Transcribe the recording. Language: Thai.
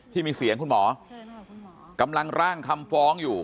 ที่มีเสียงคุณหมอกำลังร่างคำฟ้องอยู่